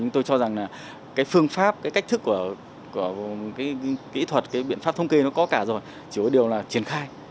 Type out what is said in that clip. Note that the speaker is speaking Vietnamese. nhưng tôi cho rằng là cái phương pháp cái cách thức của kỹ thuật cái biện pháp thống kê nó có cả rồi chỉ có điều là triển khai